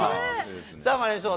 さあ、まいりましょう。